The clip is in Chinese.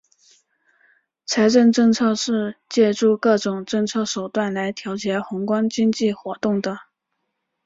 财政政策是借助各种政策手段来调节宏观经济活动的。